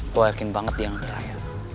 gue yakin banget dia gak ada raya